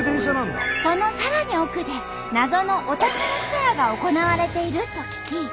そのさらに奥で謎のお宝ツアーが行われていると聞き。